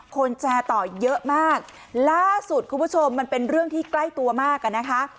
แชร์ต่อเยอะมากล่าสุดคุณผู้ชมมันเป็นเรื่องที่ใกล้ตัวมากอ่ะนะคะ